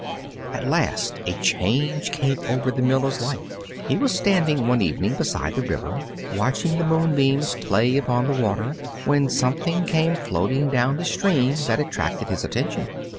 At last a change came over the miller's life. He was standing one evening beside the river, watching the moonbeams play upon the water, when something came floating down the stream that attracted his attention.